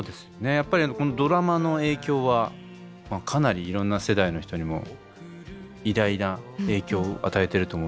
やっぱりドラマの影響はかなりいろんな世代の人にも偉大な影響を与えてると思うんですけれども。